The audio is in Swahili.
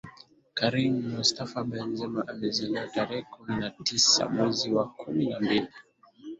Karim Mostafa Benzema amezaliwa tarehe kumi na tisa mwezi wa kumi na mbili